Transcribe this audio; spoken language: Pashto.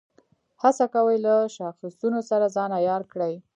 هڅه کوي له شاخصونو سره ځان عیار کړي.